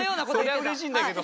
それはうれしいんだけど。